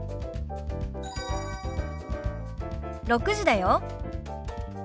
６時だよ。